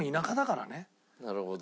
なるほど。